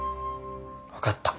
分かった。